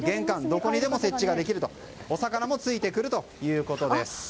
どこにでも設置ができてお魚もついてくるということです。